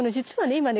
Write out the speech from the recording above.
今ね